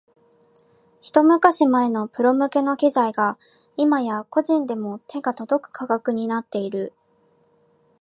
ひと昔前のプロ向けの機材が今や個人でも手が届く価格になっている